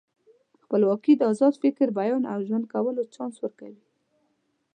خپلواکي د ازاد فکر، بیان او ژوند کولو چانس ورکوي.